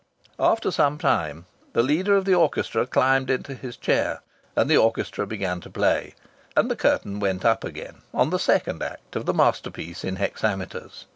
After some time the leader of the orchestra climbed into his chair, and the orchestra began to play, and the curtain went up again, on the second act of the masterpiece in hexameters.